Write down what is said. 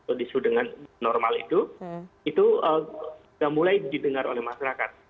atau isu dengan normal itu itu sudah mulai didengar oleh masyarakat